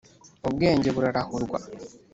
Ubwenge burarahurwa.